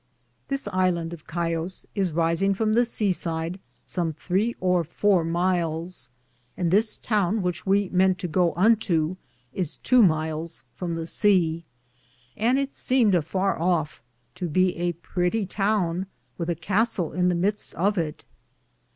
This iland of Scio is risinge from the sea side som 3 or 4 myle, and this towne which we mente to go unto is tow myle from the sea, and it semed, a farr off, to be a prittie towne, with a castell in the mydeste of it.